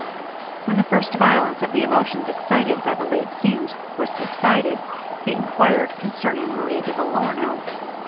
When the first violence of the emotions excited by the late scenes was subsided, he enquired concerning Maria de Vellorno.